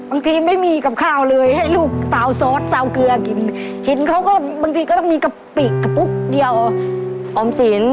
บางทีไม่มีกับข้าวเลยให้ลูกเตาซอสเตาเกลือกิน